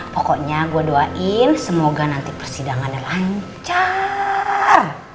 pokoknya gue doain semoga nanti persidangannya lancar